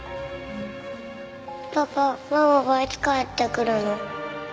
パパママはいつ帰ってくるの？